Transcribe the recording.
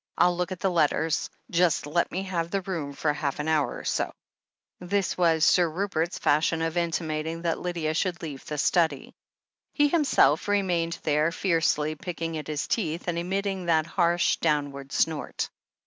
I'll look at the letters — ^just let me have the room for half an hour or so." This was Sir Rupert's fashion of intimating that Lydia should leave the study. He himself remained there, fiercely picking at his teeth and emitting that harsh, downward snort.